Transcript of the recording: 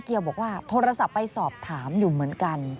เกียวบอกว่าโทรศัพท์ไปสอบถามอยู่เหมือนกัน